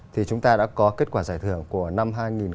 thì chúng ta đã có kết quả giải thưởng của năm hai nghìn một mươi chín